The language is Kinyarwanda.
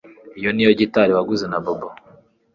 Iyo niyo gitari waguze na Bobo